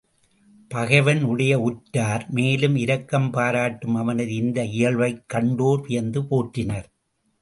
பகைவனுடைய உற்றார் மேலும் இரக்கம் பாராட்டும் அவனது இந்த இயல்பைக் கண்டோர் வியந்து போற்றினர்.